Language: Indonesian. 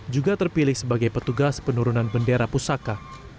juga terpilih sebagai petugas penurunan bendera pusaka